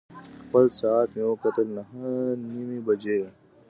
خپل ساعت مې وکتل، نهه نیمې بجې وې.